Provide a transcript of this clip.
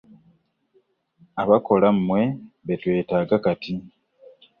Abakola mmwe be twetaaga kati.